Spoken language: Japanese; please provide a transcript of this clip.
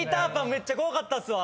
めっちゃ怖かったっすわ。